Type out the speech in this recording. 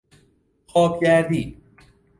خواب گردی